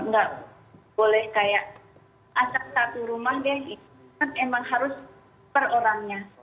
nggak boleh kayak asal satu rumah deh emang harus per orangnya